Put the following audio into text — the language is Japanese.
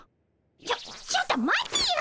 ちょちょっと待てよ！